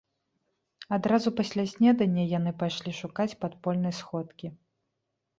Адразу пасля снедання яны пайшлі шукаць падпольнай сходкі.